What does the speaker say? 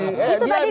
itu tadi disampaikan